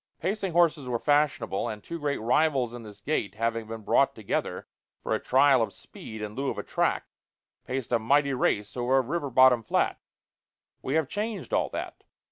Pacing horses were fashionable; and two great rivals in this gait having been brought together for a trial of speed, in lieu of a track, paced a mighty race over a river bottom flat. We have changed all that.